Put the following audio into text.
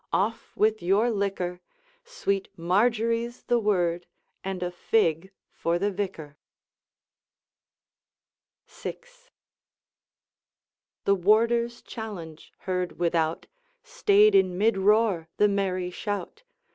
off with your liquor, Sweet Marjorie 's the word and a fig for the vicar! VI. The warder's challenge, heard without, Stayed in mid roar the merry shout.